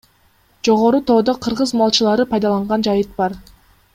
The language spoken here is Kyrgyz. Жогору тоодо — кыргыз малчылары пайдаланган жайыт бар.